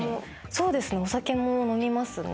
そうですねお酒も飲みますね。